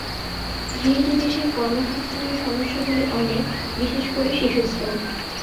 যেহেতু দেশে কর্মসংস্থানের সমস্যাগুলি অনেক, বিশেষ করে শিশুশ্রম।